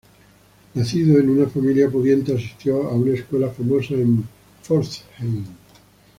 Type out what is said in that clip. Nacido en una familia pudiente, asistió a una escuela famosa en Pforzheim.